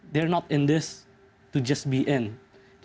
mereka tidak hanya di sini untuk berada